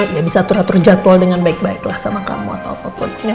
ya bisa atur atur jadwal dengan baik baiklah sama kamu atau apapun